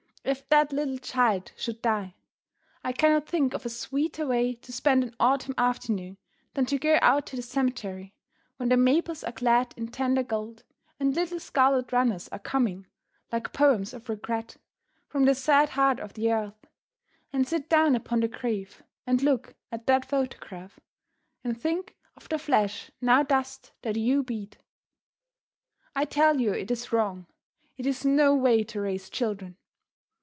If that little child should die, I cannot think of a sweeter way to spend an autumn afternoon than to go out to the cemetery, when the maples are clad in tender gold, and little scarlet runners are coming, like poems of regret, from the sad heart of the earth and sit down upon the grave and look at that photograph, and think of the flesh now dust that you beat. I tell you it is wrong; it is no way to raise children!